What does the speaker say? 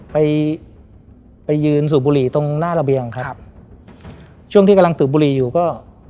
ไปไปยืนสูบบุหรี่ตรงหน้าระเบียงครับครับช่วงที่กำลังสูบบุหรี่อยู่ก็